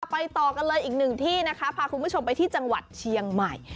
ไปต่อกันเลยอีกหนึ่งที่นะคะพาคุณผู้ชมไปที่จังหวัดเชียงใหม่